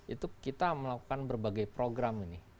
itu kita melakukan berbagai program ini